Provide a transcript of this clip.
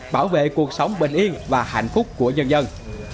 bảo vệ cuộc sống bình yên và hạnh phúc của nhân dân